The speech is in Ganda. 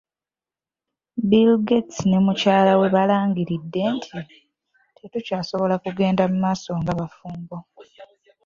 Bill Gates ne mukyala we balangiridde nti,”Tetukyasobola kugenda mu maaso ng'abafumbo.”